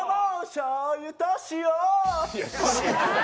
しょうゆと塩！